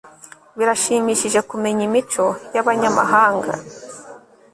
birashimishije kumenya imico yabanyamahanga